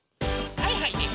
はいはいです！